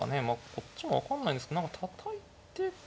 こっちも分かんないんですけど何かたたいて。